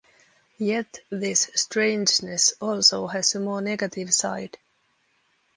Yet this strange-ness also has a more negative side.